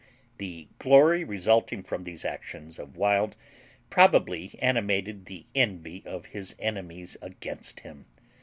The glory resulting from these actions of Wild probably animated the envy of his enemies against him.